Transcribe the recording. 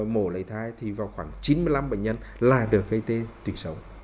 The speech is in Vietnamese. mổ lấy thai thì vào khoảng chín mươi năm bệnh nhân là được gây tê tủy sống